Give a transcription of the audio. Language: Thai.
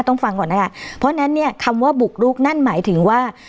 ฟังก่อนนะคะเพราะฉะนั้นเนี่ยคำว่าบุกรุกนั่นหมายถึงว่า